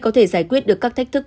có thể giải quyết được các thách thức